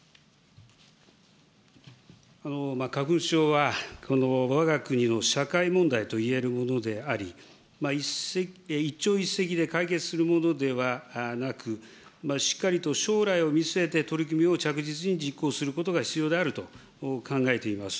花粉症はわが国の社会問題と言えるものであり、一朝一夕で解決するものではなく、しっかりと将来を見据えて取り組みを着実に実行することが必要であると考えています。